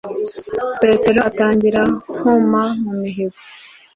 petero atangira kwuma mu mihogo